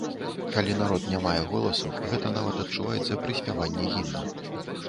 Калі народ не мае голасу, гэта нават адчуваецца пры спяванні гімна.